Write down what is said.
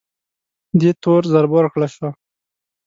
دې تور ضربه ورکړل شوه